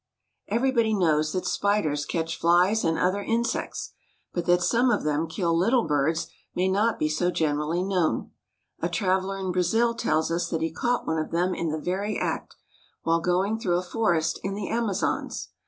= Everybody knows that spiders catch flies and other insects; but that some of them kill little birds may not be so generally known. A traveller in Brazil tells us that he caught one of them in the very act, while going through a forest in the Amazons.